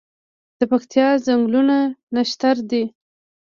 د پکتیا ځنګلونه نښتر دي